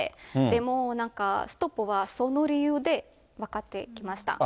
でも、ストップはその理由で分かってきました。